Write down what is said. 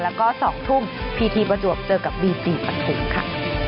แล้วก็๒ทุ่มพีทีประจวบเจอกับบีจีปฐุมค่ะ